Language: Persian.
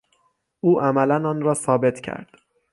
او عملا آن را ثابت کرد.